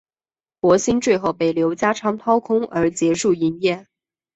博新最后被刘家昌掏空而结束营业。